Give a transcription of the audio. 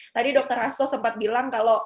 tadi dokter hasso sempat bilang